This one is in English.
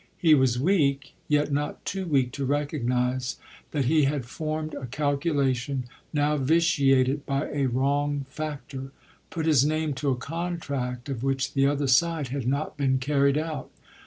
He was weak, yet not too weak to recognise that he had formed a calculation now vitiated by a wrong factor put his name to a contract of which the other side had not been carried out.